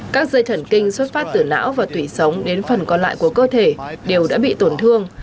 các dây thần kinh xuất phát từ não và tủy sống đến phần còn lại của cơ thể đều đã bị tổn thương